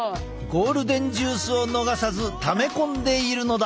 ゴールデンジュースを逃さずため込んでいるのだ。